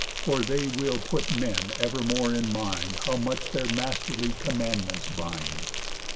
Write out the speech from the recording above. For they will put men evermore in mind, How much their masterly commandments bind.